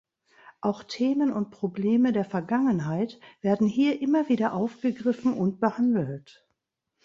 Auch Themen und Probleme der Vergangenheit werden hier immer wieder aufgegriffen und behandelt.